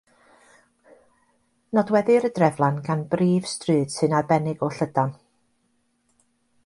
Nodweddir y dreflan gan brif stryd sy'n arbennig o llydan.